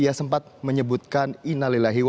ia sempat menyebutkan